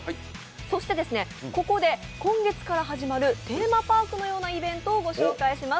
そしてここで今月から始まるテーマパークのようなイベントをご紹介します。